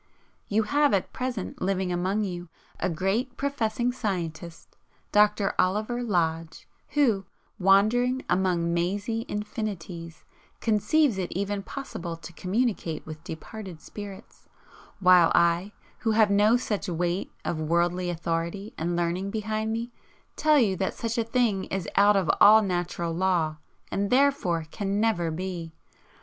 You have at present living among you a great professing scientist, Dr. Oliver Lodge, who, wandering among mazy infinities, conceives it even possible to communicate with departed spirits, while I, who have no such weight of worldly authority and learning behind me, tell you that such a thing is out of all natural law and therefore CAN NEVER BE.